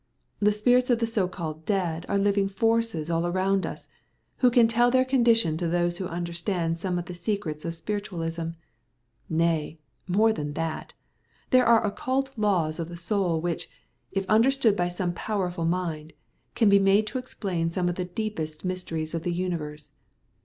The spirits of the so called dead are living forces all around us, who can tell their condition to those who understand some of the secrets of spiritualism. Nay, more than that. There are occult laws of the soul which, if understood by some powerful mind, can be made to explain some of the deepest mysteries of the universe.